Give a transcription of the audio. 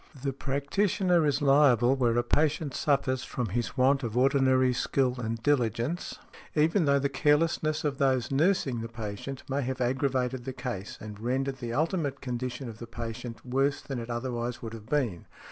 The practitioner is liable where a patient suffers from his want of ordinary skill and diligence, even though the carelessness of those nursing the patient may have aggravated the case and rendered the ultimate condition of the patient worse than it otherwise would have been.